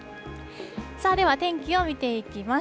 さあ、では天気を見ていきます。